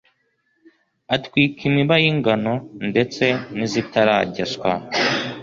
atwika imiba y'ingano ndetse n'izitarageswa